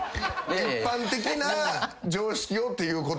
一般的な常識をっていうこと。